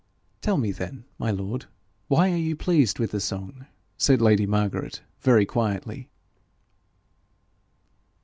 'Tell me then, my lord, why you are pleased with the song,' said lady Margaret, very quietly.